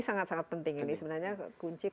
sangat sangat penting ini sebenarnya kunci